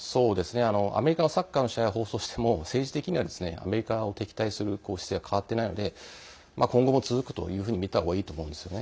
アメリカのサッカーの試合は放送しても、政治的にはアメリカを敵対する姿勢は変わっていないので今後も続くというふうに見た方がいいと思うんですよね。